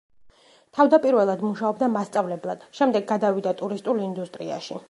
თავდაპირველად მუშაობდა მასწავლებლად, შემდეგ გადავიდა ტურისტულ ინდუსტრიაში.